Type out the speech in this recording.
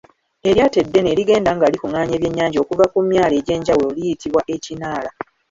Eryato eddene erigenda nga likungaanya ebyennyanja okuva ku myalo egy’enjawulo liyitibwa ekinaala.